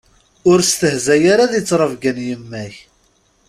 Ur stehzay ara di ttrebga n yemma-k.